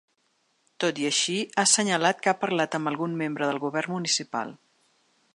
Tot i així, ha assenyalat que ha parlat amb ‘algun membre del govern’ municipal.